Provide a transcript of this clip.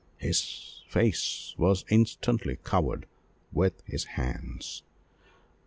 His face was instantly covered with his hands.